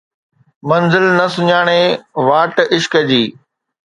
منزل نه سڃاڻي، واٽ عشق جي